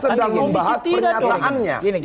kita sedang membahas pernyataannya